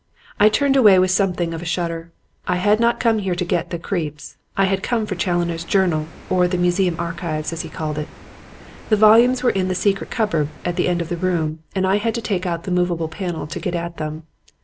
I turned away with something of a shudder. I had not come here to get "the creeps." I had come for Challoner's journal, or the "Museum Archives" as he called it. The volumes were in the secret cupboard at the end of the room and I had to take out the movable panel to get at them.